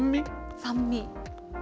酸味？